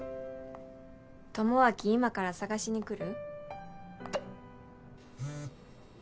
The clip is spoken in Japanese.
「智明、今から探しにくる？」。